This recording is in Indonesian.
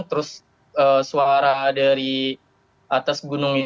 terus suara dari atas gunung ini